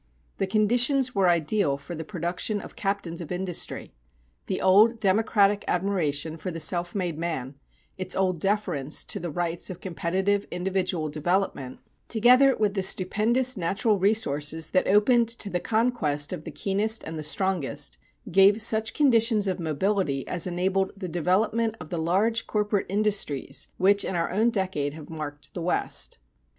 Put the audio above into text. The conditions were ideal for the production of captains of industry. The old democratic admiration for the self made man, its old deference to the rights of competitive individual development, together with the stupendous natural resources that opened to the conquest of the keenest and the strongest, gave such conditions of mobility as enabled the development of the large corporate industries which in our own decade have marked the West.